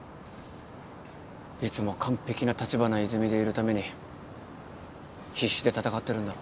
いつも完璧な立花泉でいるために必死で戦ってるんだろ？